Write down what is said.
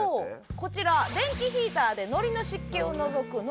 こちら電気ヒーターで海苔の湿気を除く海苔乾燥器。